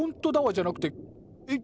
じゃなくてえっ